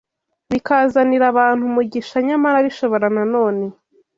bikazanira abantu umugisha, nyamara bishobora na none